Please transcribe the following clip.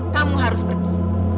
kamu harus pergi